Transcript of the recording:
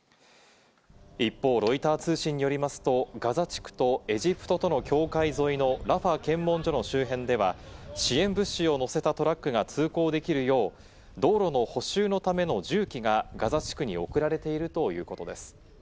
一方、ロイター通信によりますと、ガザ地区とエジプトとの境界沿いのラファ検問所の周辺では支援物資を載せたトラックが通行できるよう、道路の補修のための重機がガザ地区に送られているということです。